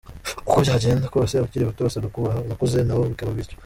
Uko byagenda kose abakiri bato basabwa kubaha abakuze n’abo bikaba bityo.